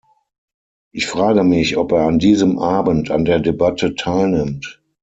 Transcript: Ich frage mich, ob er an diesem Abend an der Debatte teilnimmt.